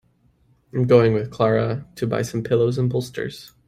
I'm going with Clara to buy some pillows and bolsters.